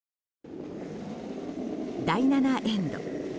第７エンド。